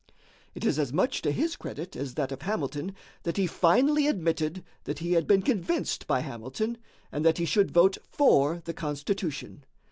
It is as much to his credit as that of Hamilton that he finally admitted that he had been convinced by Hamilton, and that he should vote for the Constitution.